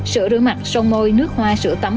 sữa rửa mặt sông môi nước hoa sữa tắm